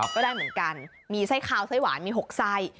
ก็ได้เหมือนกันมีไส้ขาวไส้หวานมี๖ไส้